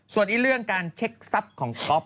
ส่วนอีกเรื่องการเช็คทรัพย์ของก๊อฟ